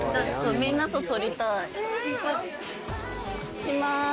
いきます